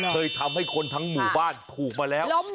เคยทำให้คนทั้งหมู่บ้านถูกมาแล้ว